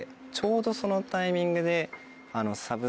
ちょうどそのタイミングで。